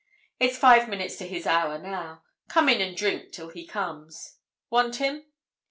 "It's five minutes to his hour now. Come in and drink till he comes. Want him?"